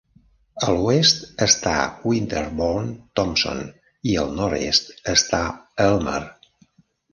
A l'oest està Winterborne Tomson i al nord-est està Almer.